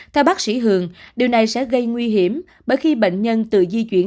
theo bác sĩ hường điều này sẽ gây nguy hiểm bởi khi bệnh nhân tự di chuyển